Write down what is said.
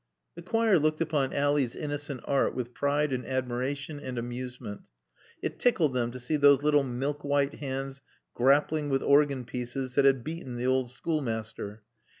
The choir looked upon Ally's innocent art with pride and admiration and amusement. It tickled them to see those little milk white hands grappling with organ pieces that had beaten the old schoolmaster.